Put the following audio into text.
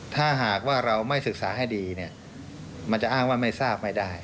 ถ้าหากว่าเราไม่ศึกษาให้ดีเนี่ยมันจะอ้างว่าไม่ทราบไม่ได้